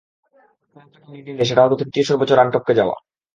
দক্ষিণ Africa lead নিলে সেটা হতো তৃতীয় সর্বোচ্চ রান টপকে যাওয়া।